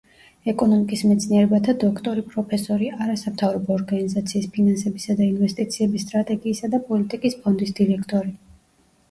ეკონომიკის მეცნიერებათა დოქტორი, პროფესორი; არასამთავრობო ორგანიზაციის ფინანსებისა და ინვესტიციების სტრატეგიისა და პოლიტიკის ფონდის დირექტორი.